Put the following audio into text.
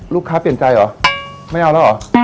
ลูกค้าเปลี่ยนใจหรอ